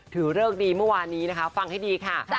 เริกดีเมื่อวานนี้นะคะฟังให้ดีค่ะ